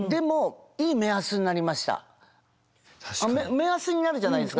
目安になるじゃないですか。